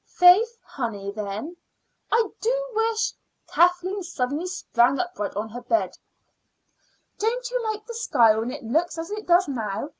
"Faith! honey, then." "I do wish " Kathleen suddenly sprang upright on her bed. "Don't you like the sky when it looks as it does now?